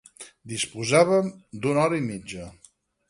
Disposàvem d’una hora i mitja.